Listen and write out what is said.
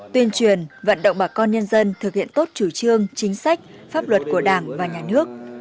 tuyên truyền vận động bà con nhân dân thực hiện tốt chủ trương chính sách pháp luật của đảng và nhà nước